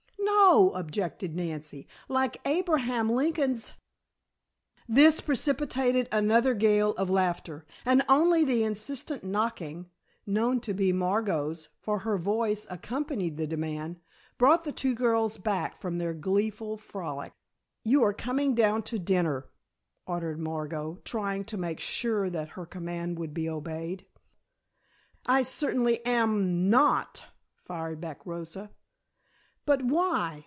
"No," objected Nancy, "like Abraham Lincoln's " This precipitated another gale of laughter, and only the insistent knocking, known to be Margot's, for her voice accompanied the demand, brought the two girls back from their gleeful frolic. "You are coming down to dinner," ordered Margot, trying to make sure that her command would be obeyed. "I certainly am not," fired back Rosa. "But why?